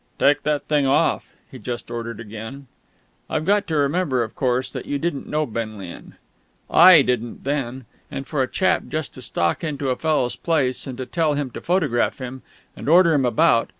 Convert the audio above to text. "Take that thing off," he just ordered again. I've got to remember, of course, that you didn't know Benlian. I didn't then. And for a chap just to stalk into a fellow's place, and tell him to photograph him, and order him about